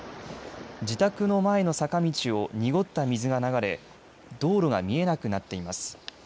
自宅の前の坂道を濁った水が流れ道路が見えなくなっています。